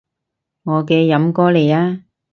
我嘅飲歌嚟啊